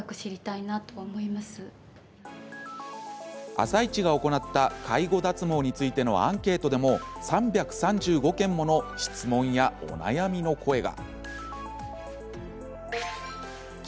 「あさイチ」が行った介護脱毛についてのアンケートでも３３５件もの質問やお悩みの声が。